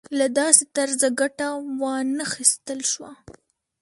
له داسې طرزه ګټه وانخیستل شوه.